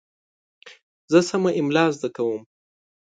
زه سمه املا زده کوم.